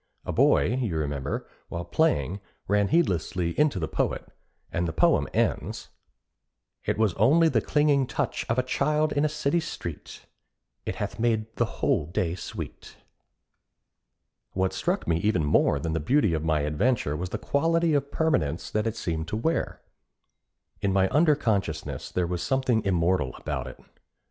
A boy, you remember, while playing, ran heedlessly into the poet, and the poem ends, It was only the clinging touch Of a child in a city street; It hath made the whole day sweet. What struck me even more than the beauty of my adventure was the quality of permanence that it seemed to wear. In my under consciousness, there was something immortal about it.